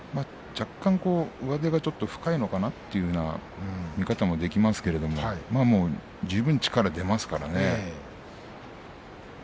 若干上手が深いのかなという見方もできますけれども十分に力が出ますからね。